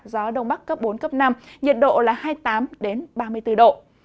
gió đông bắc cấp bốn cấp năm nhiệt độ là hai mươi tám ba mươi bốn độ